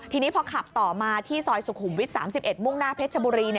ทีนี้พอขับต่อมาที่ซอยสุขุมวิท๓๑มุ่งหน้าเพชรชบุรี